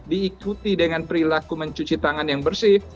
diikuti dengan perilaku mencuci tangan yang bersih